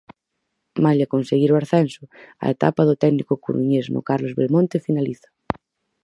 Malia conseguir o ascenso, a etapa do técnico coruñés no Carlos Belmonte finaliza.